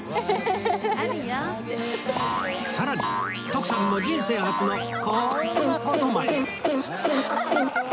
さらに徳さんも人生初のこんな事まで